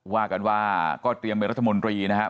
ว่ากันว่าก็เตรียมเป็นรัฐมนตรีนะครับ